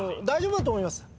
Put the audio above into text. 大丈夫だと思います。